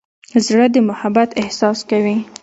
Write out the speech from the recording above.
زړه د محبت احساس کوي.